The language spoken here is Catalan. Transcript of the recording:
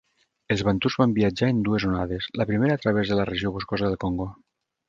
Els bantús van viatjar en dues onades, la primera a través de la regió boscosa del Congo.